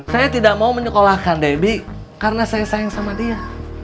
saya tidak mau menyekolahkan debbie karena saya sayang sama dia